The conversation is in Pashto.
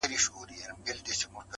روهیلۍ د روهستان مي څه ښه برېښي,